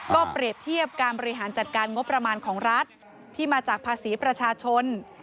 ก็เปรียบเทียบการบริหารจัดการงบประมาณของรัฐที่มาจากภาษีประชาชน